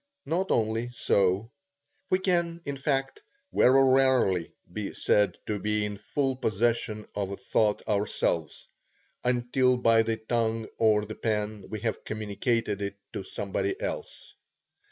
Not only so; we can, in fact, very rarely be said to be in full possession of a thought ourselves, until by the tongue or the pen we have communicated it to somebody else.